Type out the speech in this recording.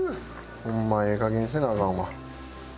ホンマええかげんにせなアカンわ。